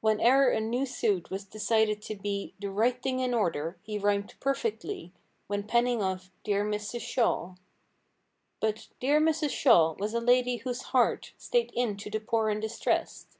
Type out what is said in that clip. When e'er a new suit was decided to be The right thing in order. He rhymed perfectly. When penning of—"Dear Mrs. Shaw." But—"Dear Mrs. Shaw," was a lady whose heart, 'Stayed in' to the poor and distressed.